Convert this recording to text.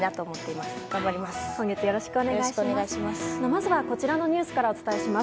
まずはこちらのニュースからお伝えします。